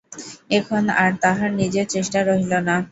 এখন আর তাহার নিজের চেষ্টা রহিল না।